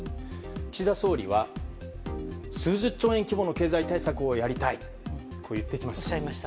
岸田総理は数十兆円規模の経済対策をやりたいと言っていました。